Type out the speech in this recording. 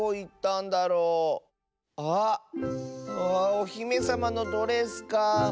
おひめさまのドレスかあ。